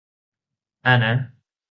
อ่ะนะ